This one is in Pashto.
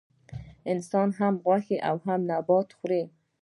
انسان هم غوښه او هم نباتات خوري